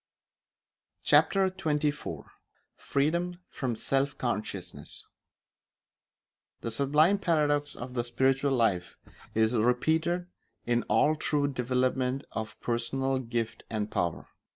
Chapter XXIV Freedom from Self Consciousness The sublime paradox of the spiritual life is repeated in all true development of personal gift and power.